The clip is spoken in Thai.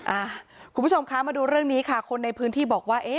คุณผู้ชมคะมาดูเรื่องนี้ค่ะคนในพื้นที่บอกว่าเอ๊ะ